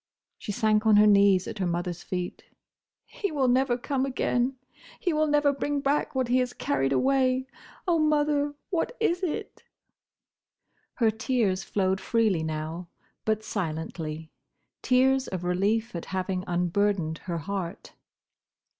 she sank on her knees at her mother's feet. "He will never come again! He will never bring back what he has carried away!—Oh, mother, what is it?" Her tears flowed freely now, but silently: tears of relief at having unburdened her heart.